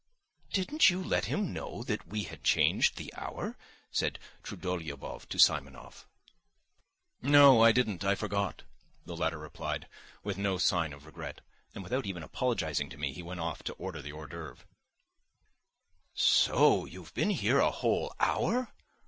"Didn't you let him know that we had changed the hour?" said Trudolyubov to Simonov. "No, I didn't. I forgot," the latter replied, with no sign of regret, and without even apologising to me he went off to order the hors d'œuvres. "So you've been here a whole hour?